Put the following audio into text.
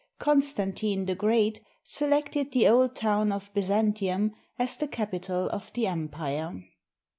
Constantine the Great selected the old town of Byzantium as the capital of the empire.